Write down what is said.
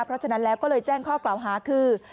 เพราะฉะนั้นแล้วก็เลยแจ้งข้อกล่าวหาคือ